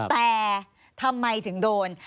แต่ทำไมถึงโดน